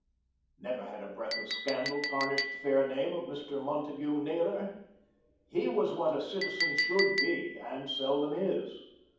Never had a breath of scandal tarnished the fair name of Mr. Montagu Naylor. He was what a citizen should be and seldom is.